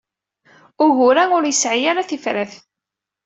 Ugur-a ur yesɛi ara tifrat.